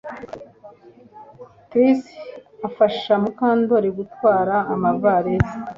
Trix afasha Mukandoli gutwara amavalisi